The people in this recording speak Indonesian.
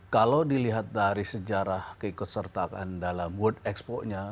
kalau dilihat dari sejarah keikutsertaan dalam world exponya